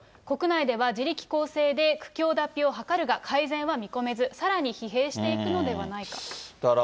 国内では自力更生で苦境脱皮を図るが改善は見込めず、さらに疲弊していくのではないかと。